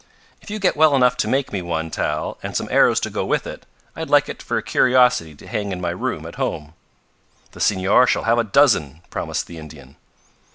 If you get well enough to make me one, Tal, and some arrows to go with it, I'd like it for a curiosity to hang in my room at home." "The Senor shall have a dozen," promised the Indian.